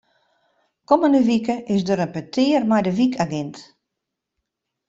Kommende wike is der in petear mei de wykagint.